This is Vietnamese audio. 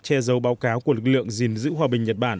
che giấu báo cáo của lực lượng gìn giữ hòa bình nhật bản